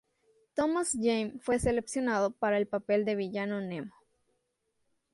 Thomas Jane fue seleccionado para el papel del villano Nemo.